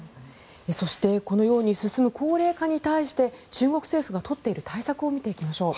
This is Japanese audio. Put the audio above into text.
そして、このように進む高齢化に対して中国政府が取っている対策を見ていきましょう。